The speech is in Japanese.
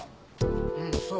うんそう